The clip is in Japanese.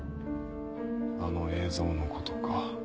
あの映像のことか。